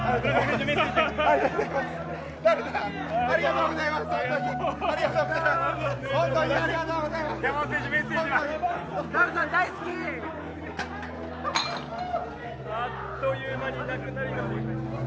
ダルさんありがとうございます！